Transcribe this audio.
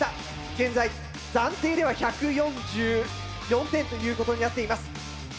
現在暫定では１４４点ということになっています。